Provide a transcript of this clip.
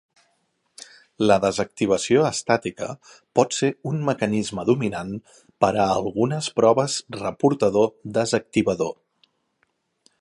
La desactivació estàtica pot ser un mecanisme dominant per a algunes proves reportador-desactivador.